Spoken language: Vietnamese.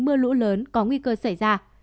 mưa lũ lớn có nguy cơ xảy ra